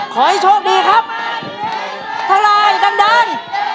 ขอให้โชคดีครับเท่าไรดังด้าน